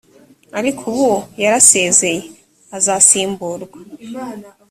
ariko ubu yarasezeye, azasimburwa